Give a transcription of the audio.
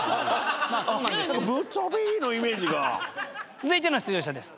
続いての出場者です。